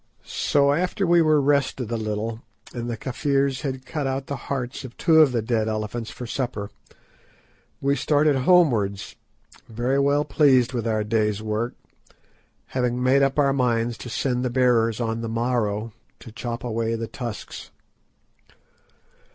So after we were rested a little, and the Kafirs had cut out the hearts of two of the dead elephants for supper, we started homewards, very well pleased with our day's work, having made up our minds to send the bearers on the morrow to chop away the tusks.